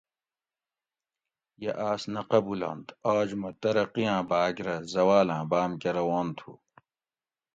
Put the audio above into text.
یہ آۤس نہ قبولنت آج مۤہ ترقی آۤں باۤگ رہ زواۤلاۤں بام کہ روان تُھو